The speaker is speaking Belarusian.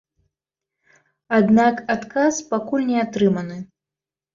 Аднак адказ пакуль не атрыманы.